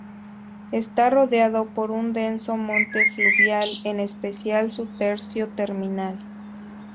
Está rodeado por un denso monte fluvial, en especial su tercio terminal.